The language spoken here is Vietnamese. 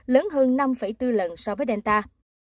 lớn hơn năm bốn lần so với delta